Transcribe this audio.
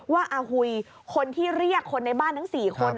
ว่าอาหุยคนที่เรียกคนในบ้านทั้ง๔คน